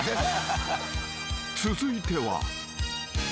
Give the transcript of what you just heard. ［続いては］